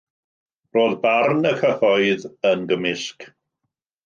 Roedd barn y cyhoedd yn gymysg.